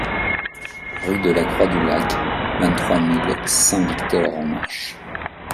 Rue de la Croix du Lac, vingt-trois mille Saint-Victor-en-Marche